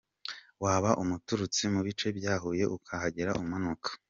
Waba unaturutse mu bice bya Huye ukahagera umanuka.